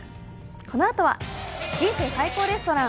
このあとは「人生最高レストラン」。